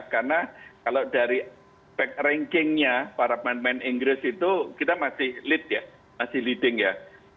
karena kalau dari rankingnya para pemain pemain inggris itu kita masih leading ya